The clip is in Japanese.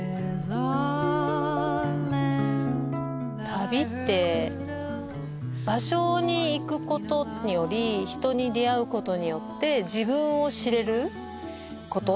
旅って場所に行くことにより人に出会うことによって自分を知れること。